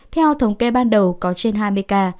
theo thống kê ban đầu có trên hai mươi ca